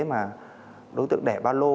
mà đối tượng đẻ ba lô